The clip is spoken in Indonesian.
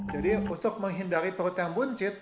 jadi untuk menghindari perut yang buncit